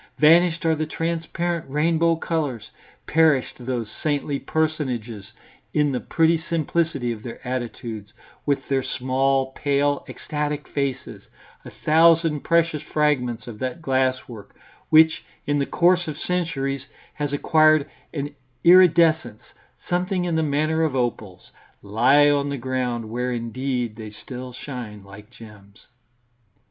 Vanished are the transparent rainbow colours, perished those saintly personages, in the pretty simplicity of their attitudes, with their small, pale, ecstatic faces; a thousand precious fragments of that glasswork, which in the course of centuries has acquired an iridescence something in the manner of opals, lie on the ground, where indeed they still shine like gems.